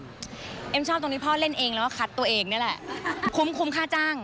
ให้พ่อหรอเอ๋มชอบตรงนี้พ่อเล่นเองแล้วก็คัดตัวเอกนี่แหละ